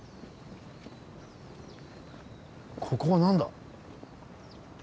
ここは何だ？